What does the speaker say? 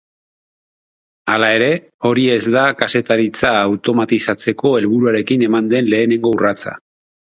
Hala ere, hori ez da kazetaritza automatizatzeko helburuarekin eman den lehenengo urratsa.